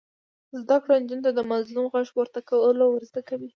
زده کړه نجونو ته د مظلوم غږ پورته کول ور زده کوي.